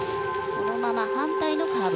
そのまま反対のカーブ